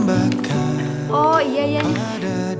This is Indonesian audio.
buku lu yang ketinggalan